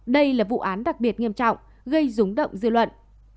đây là vụ án đặc biệt nghiêm trọng gây rúng động dư luận